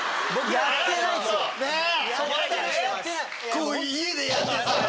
こう家でやっててさ